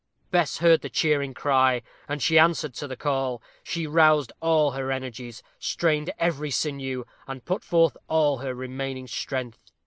Bess heard the cheering cry, and she answered to the call. She roused all her energies; strained every sinew, and put forth all her remaining strength.